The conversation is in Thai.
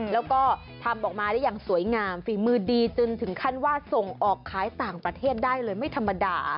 แล้วก็ทำออกมาได้อย่างสวยงามฝีมือดีจนถึงขั้นว่าส่งออกขายต่างประเทศได้เลยไม่ธรรมดา